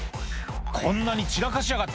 こんなに散らかしやがって」